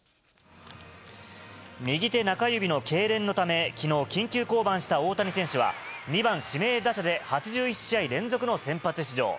右手中指のけいれんのため、きのう、緊急降板した大谷選手は、２番指名打者で８１試合連続の先発出場。